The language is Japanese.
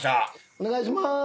お願いします。